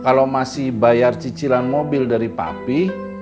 kalau masih bayar cicilan mobil dari papi